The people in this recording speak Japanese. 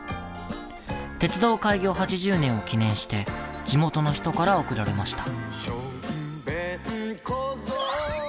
鉄道開業８０年を記念して地元の人から贈られました。